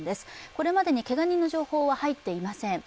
これまでにけが人の情報は入っていません。